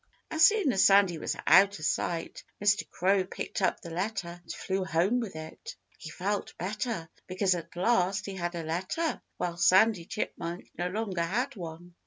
As soon as Sandy was out of sight, Mr. Crow picked up the letter and flew home with it. He felt better because at last he had a letter, while Sandy Chipmunk no longer had one.